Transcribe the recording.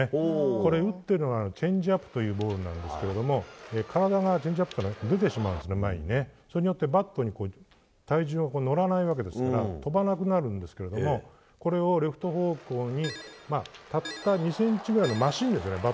これ、打ってるのはチェンジアップというボールなんですが体がチェンジアップですと前に出てしまうんですがそれによってバットに体重が乗らないわけですが飛ばなくなるんですけれどもこれをレフト方向にたった２ｃｍぐらいの真芯で捉える。